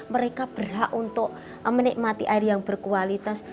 mereka berhak untuk menikmati air yang berkualitas